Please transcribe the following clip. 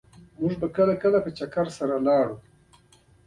د ستالین د صنعتي کېدو بهیر یوه ظالمانه تګلاره وه